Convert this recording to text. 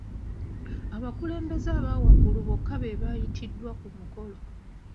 Abakulembeze abawaggulu bokka beebayitiddwa ku mukolo.